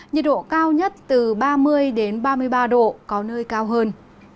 nhiệt độ cao nhất từ ba mươi ba mươi ba độ có nơi cao hơn